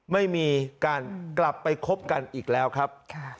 ไม่มีการกลับไปคบกันอีกแล้วครับ